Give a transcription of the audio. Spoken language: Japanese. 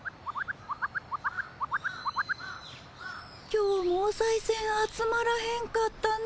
今日もおさいせん集まらへんかったね